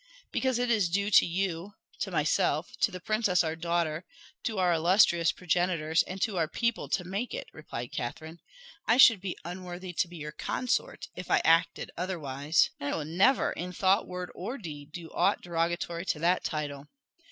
"Because it is due to you to myself to the princess our daughter to our illustrious progenitors and to our people, to make it," replied Catherine. "I should be unworthy to be your consort if I acted otherwise and I will never, in thought, word, or deed, do aught derogatory to that title.